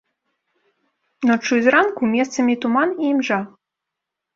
Ноччу і зранку месцамі туман і імжа.